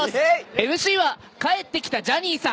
ＭＣはかえってきたジャニーさん。